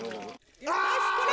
よしこれ！